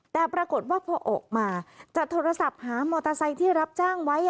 แต่ปรากฏว่าพอออกมาจะโทรศัพท์หามอเตอร์ไซค์ที่รับจ้างไว้